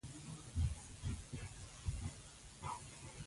د مؤمن ژوند د نورو لپاره رحمت وي.